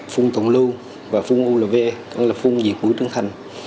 phung tổng lưu và phung ulv phung diệt bụi trứng thành